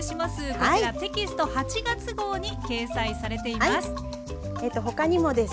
こちらテキスト８月号に掲載されています。